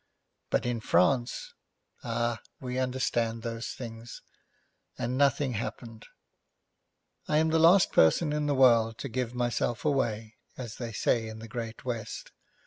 But in France ah, we understand those things, and nothing happened. I am the last person in the world to give myself away, as they say in the great West.